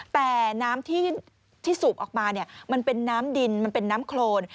แต่น้ำที่สูบออกมามันเป็นน้ำดินมันเป็นน้ำโครน